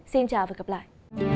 xin chào và các bạn